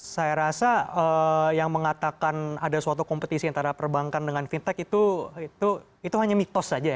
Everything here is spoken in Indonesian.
saya rasa yang mengatakan ada suatu kompetisi antara perbankan dengan fintech itu hanya mitos saja ya